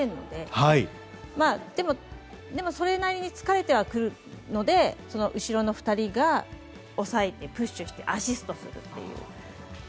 でもそれなりに疲れてはくるのでその後ろの２人が押さえてプッシュしてアシストするという。